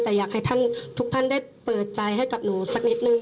แต่อยากให้ทุกท่านได้เปิดใจให้กับหนูสักนิดนึง